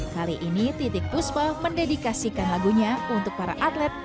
kali ini titik puspa mendedikasikan lagunya untuk para atlet